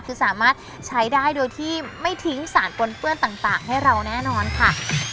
คือสามารถใช้ได้โดยที่ไม่ทิ้งสารปนเปื้อนต่างให้เราแน่นอนค่ะ